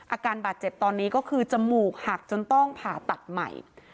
อาการบาดเจ็บตอนนี้ก็คือจมูกหักจนต้องผ่าตัดใหม่